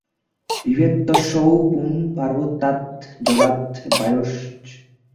বিভেত্যসৌ পুন পার্বত্যাৎ জলাৎ বায়োশ্চ।